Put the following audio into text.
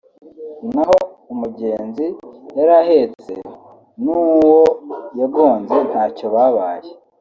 naho umugenzi yari ahetse n’uwo yagonze ntacyo babaye